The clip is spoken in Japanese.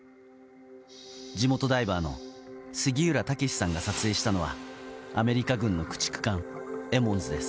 地元ダイバーの杉浦武さんが撮影したのはアメリカ軍の駆逐艦「エモンズ」です。